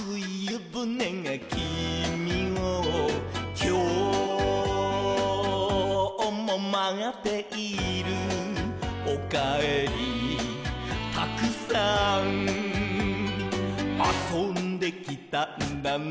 「きょうもまっている」「おかえりたくさん」「あそんできたんだね」